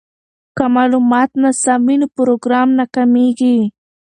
که معلومات ناسم وي نو پروګرام ناکامیږي.